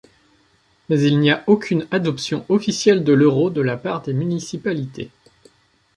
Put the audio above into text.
Mais il n'y a aucune adoption officielle de l'euro de la part des municipalités.